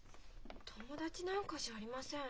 友達なんかじゃありません。